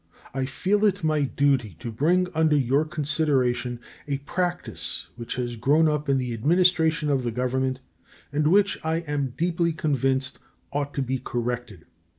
I feel it my duty to bring under your consideration a practice which has grown up in the administration of the Government, and which, I am deeply convinced, ought to be corrected.